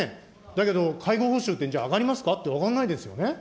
だけど介護報酬ってじゃあ上がりますかって、上がんないですよね。